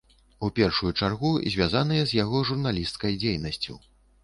У першую чаргу звязаныя з яго журналісцкай дзейнасцю.